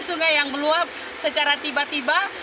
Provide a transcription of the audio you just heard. sungai yang meluap secara tiba tiba